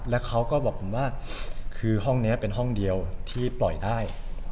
แล้วเขาก็บอกผมว่าคือห้องนี้เป็นห้องเดียวที่ปล่อยได้